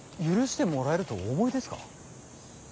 許してもらえるとお思いですか。